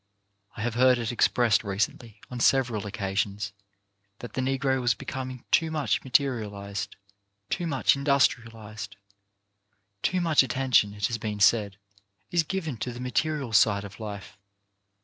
I have heard it expressed recently on several occasions that the Negro was becoming too much materialized, too much A PENNY SAVED 269 industrialized. Too much attention, it has been said, is given to the material side of life.